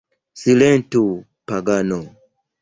Silentu pagano!